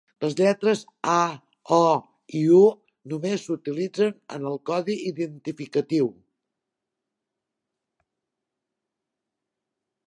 Les lletres Ä, Ö i Ü només s'utilitzen en el codi identificatiu.